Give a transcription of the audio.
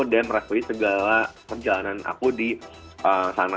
dan merespon segala perjalanan aku di sana